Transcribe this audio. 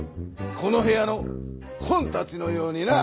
この部屋の本たちのようにな！